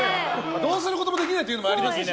どうすることもできないっていうのもありますしね。